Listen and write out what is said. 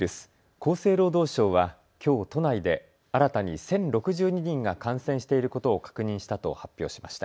厚生労働省はきょう都内で新たに１０６２人が感染していることを確認したと発表しました。